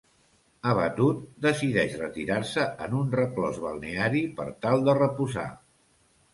Abatut, decideix retirar-se en un reclòs balneari per tal de reposar.